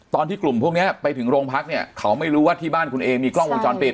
ตอนที่กลุ่มพวกนี้ไปถึงโรงพักเนี่ยเขาไม่รู้ว่าที่บ้านคุณเอมีกล้องวงจรปิด